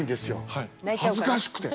恥ずかしくて。